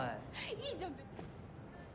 いいじゃん別に。